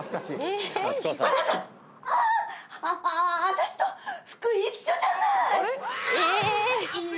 私と服一緒じゃない！